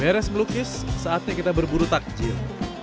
beres melukis saatnya kita berburu takjil